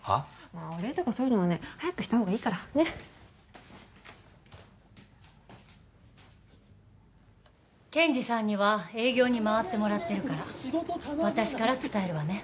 まあお礼とかそういうのはね早くした方がいいからねっケンジさんには営業に回ってもらってるから私から伝えるわね